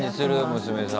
娘さん。